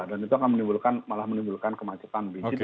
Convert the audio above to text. dan itu akan menimbulkan malah menimbulkan kemacetan di situ